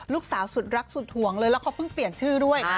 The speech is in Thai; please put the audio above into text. ลูกสาวสุดรักสุดห่วงเลยแล้วเขาเพิ่งเปลี่ยนชื่อด้วย